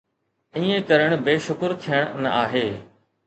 ائين ڪرڻ بي شڪر ٿيڻ نه آهي.